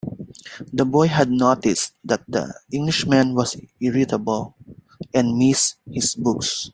The boy had noticed that the Englishman was irritable, and missed his books.